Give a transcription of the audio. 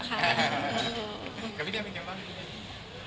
กับพี่แดมเป็นยังไงบ้าง